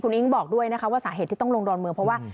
คุณอิ้งบอกด้วยนะคะว่าสาเหตุที่ต้องลงดอนเมือ